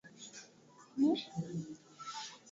maslahi ya chama cha taifa na wafanyakazi wa vyombo vya habari